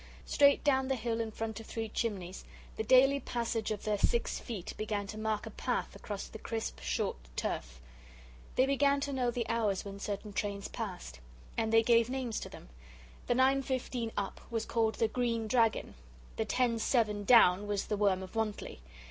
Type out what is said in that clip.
Straight down the hill in front of Three Chimneys the daily passage of their six feet began to mark a path across the crisp, short turf. They began to know the hours when certain trains passed, and they gave names to them. The 9.15 up was called the Green Dragon. The 10.7 down was the Worm of Wantley.